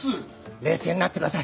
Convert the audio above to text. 冷静になってください。